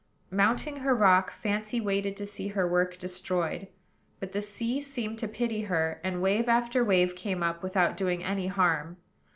Mounting her rock, Fancy waited to see her work destroyed. But the sea seemed to pity her; and wave after wave came up, without doing any harm.